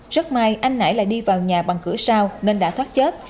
rất may anh nải lại đi vào nhà bằng cửa sao nên đã thoát chết